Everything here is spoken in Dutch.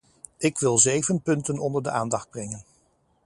Ik wil zeven punten onder de aandacht brengen.